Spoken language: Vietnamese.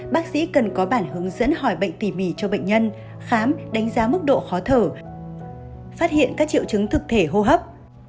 bác sĩ cần có bản hướng dẫn hỏi bệnh tỉ mỉ cho bệnh nhân khám đánh giá mức độ khó thở phát hiện các triệu chứng thực thể hô hấp